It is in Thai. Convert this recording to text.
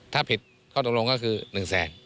ถ้าผิดเขาตกลงก็คือหนึ่งแสน